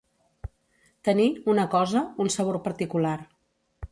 Tenir, una cosa, un sabor particular.